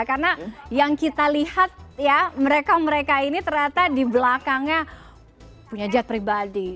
karena yang kita lihat ya mereka mereka ini ternyata di belakangnya punya jet pribadi